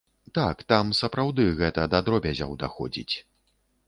Так, там сапраўды гэта да дробязяў даходзіць.